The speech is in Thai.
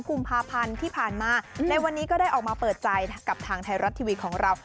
กุมภาพันธ์ที่ผ่านมาในวันนี้ก็ได้ออกมาเปิดใจกับทางไทยรัฐทีวีของเรา